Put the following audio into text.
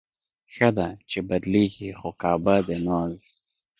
ښه ده، چې بدلېږي خو کعبه د ناز